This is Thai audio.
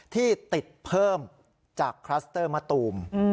ที่ติดเพิ่มจากคลัสเตอร์มะตูม